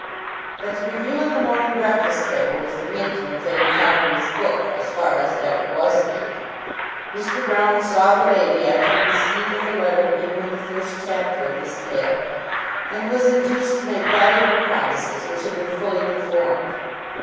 But the review in the "Morning Breakfast Table" was the making of Lady Carbury's book, as far as it ever was made. Mr. Broune saw the lady after the receipt of the letter given in the first chapter of this Tale, and was induced to make valuable promises which had been fully performed.